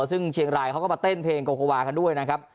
ซึ่งเชียงรายเขาก็มาเต้นเพลงโกโควากันด้วยนะครับ